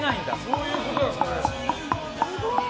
そういうことなんですかね。